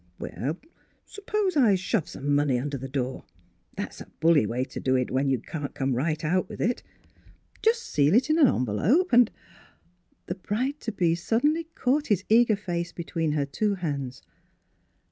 " Suppose I shove some money under the door. That's a bully way to do, when you can't come right out with it. Just seal it in an envelope and —" The bride to be suddenly caught his eager face between her two hands.